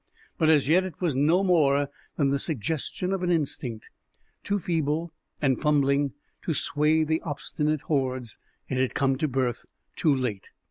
But as yet it was no more than the suggestion of an instinct, too feeble and fumbling to sway the obstinate hordes. It had come to birth too late.